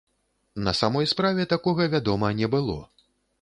На самой справе, такога, вядома, не было.